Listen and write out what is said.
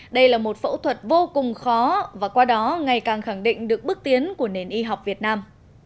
đây là một phẫu thuật vô cùng khó và qua đó ngày càng khẳng định được bước tiến của nền y học việt nam